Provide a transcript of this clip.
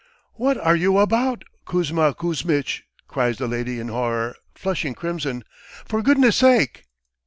"What are you about, Kuzma Kuzmitch?" cries the lady in horror, flushing crimson. "For goodness sake!"